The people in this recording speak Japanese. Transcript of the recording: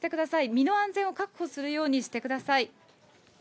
身の安全を確保するようにしてください。